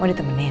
mau ditemani ya